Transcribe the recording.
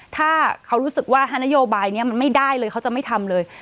ถ้าเขารู้สึกว่าฮานโยบายนี้มันไม่ได้เลยเขาจะไม่ทำเลย